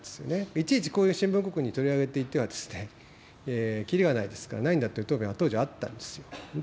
いちいちこういう新聞広告に取り上げていては、切りがないですから、ないんだという答弁は当時、あったんですよ。